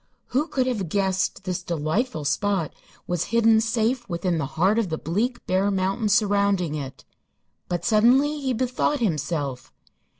Who could have guessed this delightful spot was hidden safe within the heart of the bleak, bare mountain surrounding it? But suddenly he bethought himself.